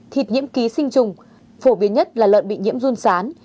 thịt nhiễm ký sinh trùng phổ biến nhất là lợn bị nhiễm run sán